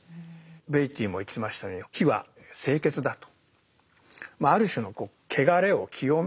ベイティーも言ってましたように火は清潔だと。